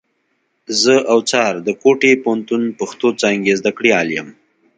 زه اوڅار د کوټي پوهنتون پښتو څانګي زدهکړيال یم.